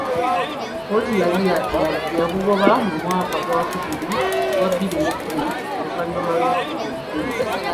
Kkooti yali yagugoba mu mwaka gwa bbiri kkumi oluvannyuma lw'okubulwa obujulizi.